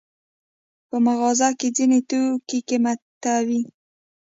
په مغازه کې ځینې توکي قیمته وي.